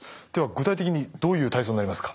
具体的にどういう体操になりますか。